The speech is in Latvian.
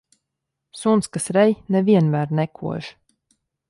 Suns, kas rej, ne vienmēr nekož.